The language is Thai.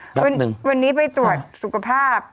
พบรวมวันนี้ไปตรวจสุขภาพ